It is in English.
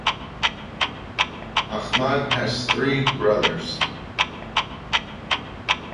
Ahmad has three brothers.